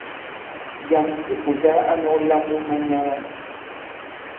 Jàm di Pùta a nɔ̄k lam wu manyaga.